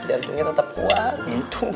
jantungnya tetep kuat gitu